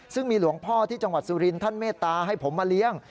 ซึ่งมีหลวงพ่อที่จังหวัดสุรินทร์ท่านเมตตาให้ผมมาเลี้ยง